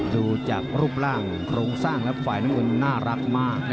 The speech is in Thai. ดูจากรูปร่างโครงสร้างแล้วฝ่ายน้ำเงินน่ารักมาก